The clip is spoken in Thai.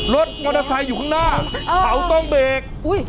รถมอเตอร์ไซค์อยู่ข้างหน้าเขาต้องเบรก